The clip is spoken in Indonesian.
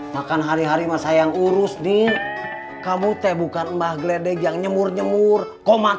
makan hari hari mbah saya yang urus nih kamu teh bukan mbah gledek yang nyemur nyemur komat